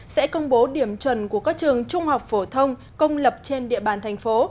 sẽ công bố điểm chuẩn của các trường trung học phổ thông công lập trên địa bàn thành phố